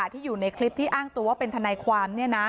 ที่อยู่ในคลิปที่อ้างตัวว่าเป็นทนายความ